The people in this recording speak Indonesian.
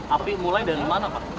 api mulai dari mana pak